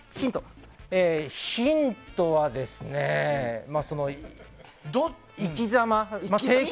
ヒントは生きざま。